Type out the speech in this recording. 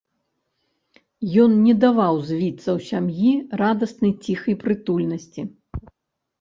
Ён не даваў звіцца ў сям'і радаснай, ціхай прытульнасці.